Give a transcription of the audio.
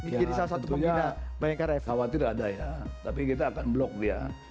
ya tentunya khawatir ada ya tapi kita akan blok dia